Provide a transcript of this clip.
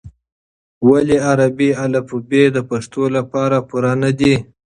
ولې عربي الفبې د پښتو لپاره پوره نه ده؟